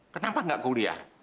kenapa gak kuliah